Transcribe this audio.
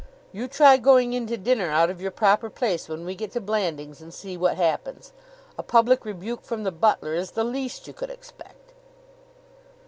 You try going in to dinner out of your proper place when we get to Blandings and see what happens. A public rebuke from the butler is the least you could expect."